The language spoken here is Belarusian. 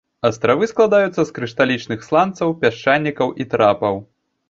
Астравы складаюцца з крышталічных сланцаў, пясчанікаў і трапаў.